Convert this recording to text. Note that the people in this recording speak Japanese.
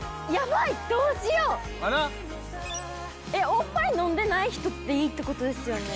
おっぱい飲んでない人でいいって事ですよね？